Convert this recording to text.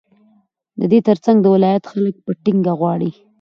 ددې ترڅنگ د ولايت خلك په ټينگه غواړي،